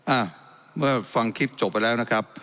อ่ะเมื่อฟังคลิปจบไปแล้วนะครับ